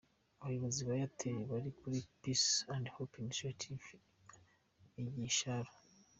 Abayobozi ba Airtel bari kuri Peace and Hope Initiative i Gasharu.